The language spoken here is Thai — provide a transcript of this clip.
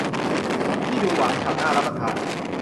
ที่ดูหวานฉ่ำน่ารับประทาน